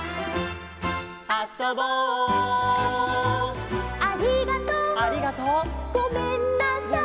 「」「あそぼう」「ありがとう」「」「ごめんなさい」「」